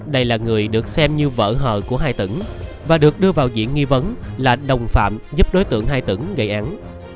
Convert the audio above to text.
đây là người được xem như vợ hờ của hai tỉnh và được đưa vào diện nghi vấn là đồng phạm giúp đối tượng hai tử gây án